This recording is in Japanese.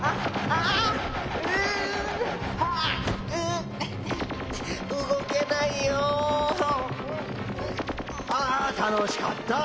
あたのしかった。